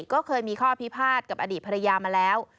ก็เคยมีข้อพิพาทกับอดีตภรรยามาแล้ว